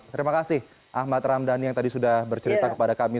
terima kasih ahmad ramdhani yang tadi sudah bercerita kepada kami